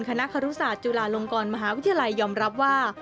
คณะครุศาสตุลาลงกรมหาวิทยาลัยยอมรับว่า